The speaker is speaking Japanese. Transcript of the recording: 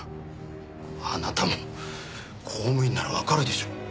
あなたも公務員ならわかるでしょう。